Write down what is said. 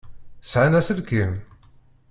Sεan aselkim?